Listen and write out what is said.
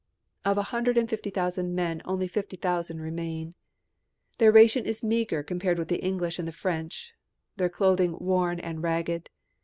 Of a hundred and fifty thousand men only fifty thousand remain. Their ration is meagre compared with the English and the French, their clothing worn and ragged.